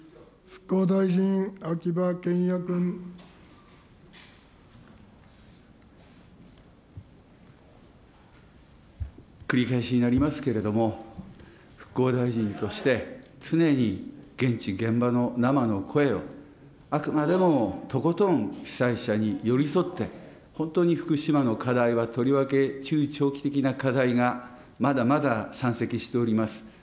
復興大臣、繰り返しになりますけれども、復興大臣として常に現地現場の生の声をあくまでもとことん被災者に寄り添って、本当に福島の課題はとりわけ中長期的な課題がまだまだ山積しております。